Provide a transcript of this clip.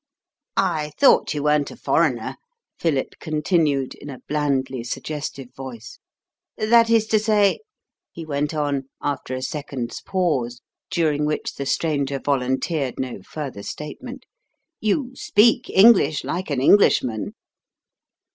"I thought you weren't a foreigner," Philip continued in a blandly suggestive voice. "That is to say," he went on, after a second's pause, during which the stranger volunteered no further statement, "you speak English like an Englishman."